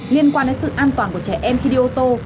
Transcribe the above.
liên quan đến sự an toàn của trẻ em khi đi ô tô